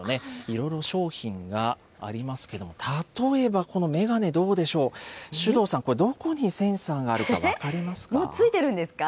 いろいろ商品がありますけども、例えばこの眼鏡どうでしょう、首藤さん、これどこにセンサーがあるか分かもう付いてるんですか？